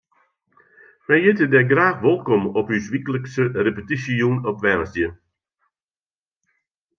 Wy hjitte dy graach wolkom op ús wyklikse repetysjejûn op woansdei.